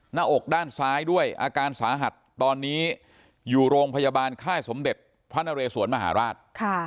หน้าอกด้านซ้ายด้วยอาการสาหัสตอนนี้อยู่โรงพยาบาลค่ายสมเด็จพระนเรสวนมหาราช